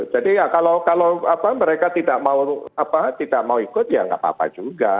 jadi ya kalau mereka tidak mau ikut ya gak apa apa juga